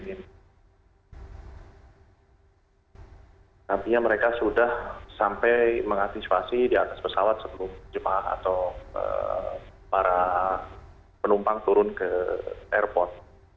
nantinya mereka sudah sampai mengantisipasi di atas pesawat sebelum jemaah atau para penumpang turun ke airport